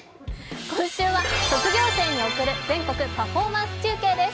今週は「卒業生に送る全国パフォーマンス」中継です。